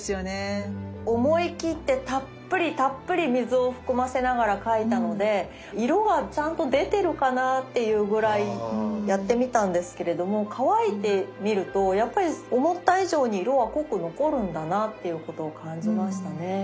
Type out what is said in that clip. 思い切ってたっぷりたっぷり水を含ませながら描いたので色はちゃんと出てるかなっていうぐらいやってみたんですけれども乾いてみるとやっぱり思った以上に色は濃く残るんだなっていうことを感じましたね。